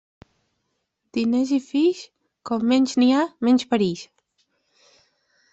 Diners i fills, com menys n'hi ha, menys perills.